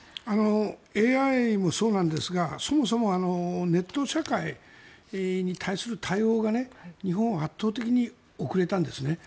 ＡＩもそうなんですがそもそもネット社会に対する対応が日本は圧倒的に遅れたんです。